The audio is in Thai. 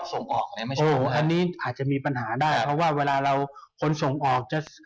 ส่งออกอะไรไม่ใช่อันนี้อาจจะมีปัญหาได้เพราะว่าเวลาเราคนส่งออกจะ